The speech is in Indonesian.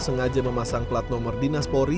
sengaja memasang plat nomor dinas polri